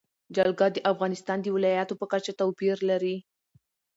جلګه د افغانستان د ولایاتو په کچه توپیر لري.